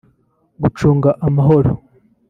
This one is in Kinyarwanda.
gucunga amahoro